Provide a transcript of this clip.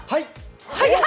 はい！